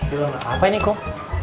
itu orang apa apa ini kom